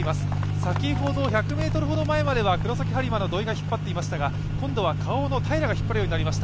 先ほど１００ｍほど前までは黒崎播磨の土井が引っ張っていましたが、今度はＫａｏの平が引っ張るようになりました。